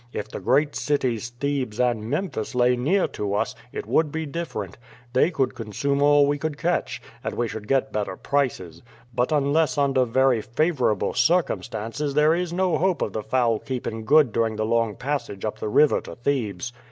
If the great cities Thebes and Memphis lay near to us, it would be different. They could consume all we could catch, and we should get better prices, but unless under very favorable circumstances there is no hope of the fowl keeping good during the long passage up the river to Thebes.